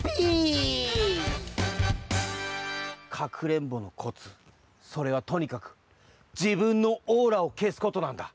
かくれんぼのコツそれはとにかくじぶんのオーラをけすことなんだ。